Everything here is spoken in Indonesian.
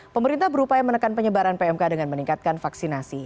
pemerintah berupaya menekan penyebaran pmk dengan meningkatkan vaksinasi